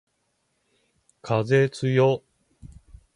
風つよ